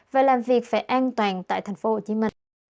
và làm việc phải an toàn tại tp hcm